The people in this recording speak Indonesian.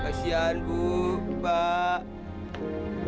kasihan bu pak